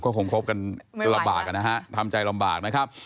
ก็คงคบกันก็ลำบากนะฮะทำใจลำบากนะครับ